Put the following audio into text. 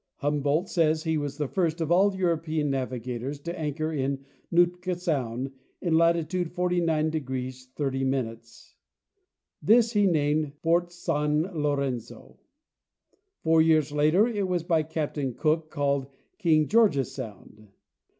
Humboldt says he was the first of all European navigators to anchor in Nootka sound, in latitude 49° 30'. This he named Port San Lorenzo; four years later it was by Captain Cook called King George'ssound.